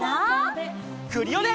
クリオネ！